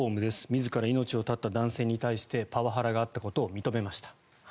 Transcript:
自ら命を絶った男性に対してパワハラがあったことを認めました。